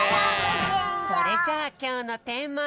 それじゃあきょうのテーマ。